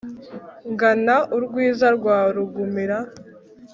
ngana urwiza rwa rugumira